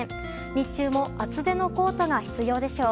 日中も厚手のコートが必要でしょう。